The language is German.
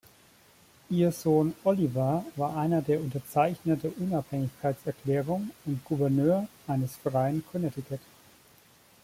Ihr Sohn Oliver war einer der Unterzeichner der Unabhängigkeitserklärung und Gouverneur eines freien Connecticut.